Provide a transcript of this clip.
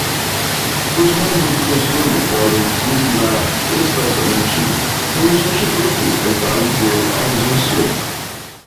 Os membros do Conselho podem designar expressamente um substituto em caso de ausência.